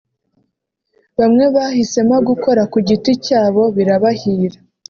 bamwe bahisemo gukora ku giti cyabo birabahira